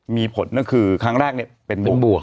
มีผลก็คือครั้งแรกเป็นบวก